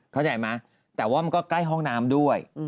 เข้าใจไหมแต่ว่ามันก็ใกล้ห้องน้ำด้วย